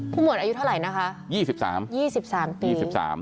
ผู้หมวดอายุเท่าไหร่นะฮะ๒๓ปี